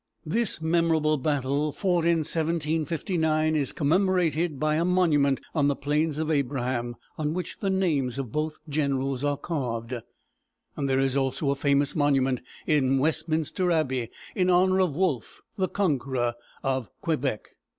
This memorable battle, fought in 1759, is commemorated by a monument on the Plains of Abraham, on which the names of both generals are carved. There is also a famous monument in West´min ster Abbey, in honor of Wolfe, the conqueror of Quebec.